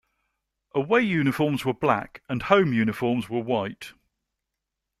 Away uniforms were black and home uniforms were white.